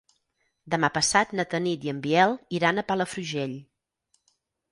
Demà passat na Tanit i en Biel iran a Palafrugell.